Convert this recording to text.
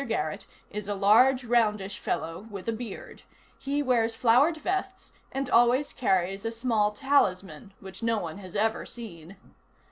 Garrett is a large, roundish fellow with a beard. He wears flowered vests and always carries a small talisman which no one has ever seen.